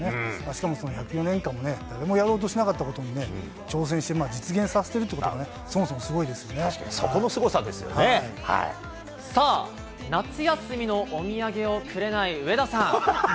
しかもその１０４年間も、誰もやろうとしなかったことに挑戦してる、実現してるっていうのがそも確かに、そこのすごさですよさあ、夏休みのお土産をくれない上田さん。